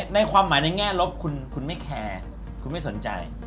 ในความหมายในแง่ลบคุณไม่แคร์คุณไม่สนใจ